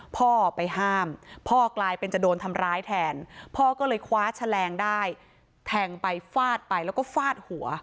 พ่อไปห้ามพ่อกลายเป็นจะโดนทำร้ายแทนพ่อก็เลยคว้าแฉลงได้แทงไปฟาดไปแล้วก็ฟาดหัว